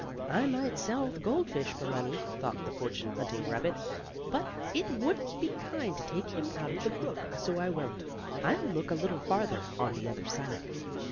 "I might sell the goldfish for money," thought the fortune hunting rabbit, "but it wouldn't be kind to take him out of the brook, so I won't. I'll look a little farther, on the other side."